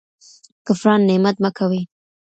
کفران نعمت مه کوئ.